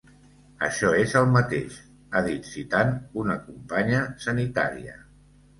Això és el mateix, ha dit citant una companya sanitària.